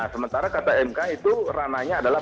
sementara kata mk itu ranahnya adalah